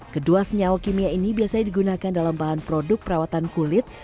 kedua senyawa kimia ini biasanya digunakan dalam bahan produk perawatan kulit